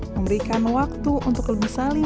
memberikan waktu untuk lebih saling